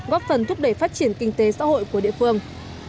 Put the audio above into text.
góp phần thúc đẩy phát triển kinh tế xã hội của địa phương